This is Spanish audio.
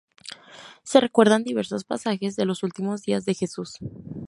Se recuerdan diversos pasajes de los últimos días de Jesús.